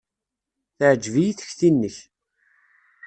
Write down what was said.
Teɛjeb-iyi tekti-nnek.